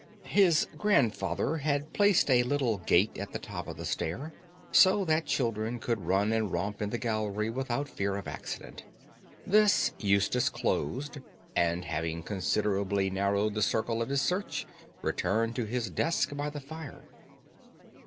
His grandfather had placed a little gate at the top of the stair, so that children could run and romp in the gallery without fear of accident. This Eustace closed, and having considerably narrowed the circle of his search, returned to his desk by the fire.